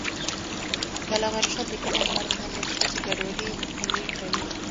د علامه رشاد لیکنی هنر مهم دی ځکه چې ګډوډي مخنیوی کوي.